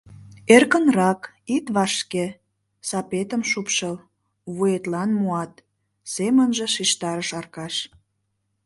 «Эркынрак, ит вашке, сапетым шупшыл, вуетлан муат», — семынже шижтарыш Аркаш.